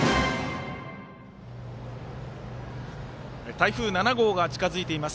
台風７号が近づいています。